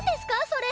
それ。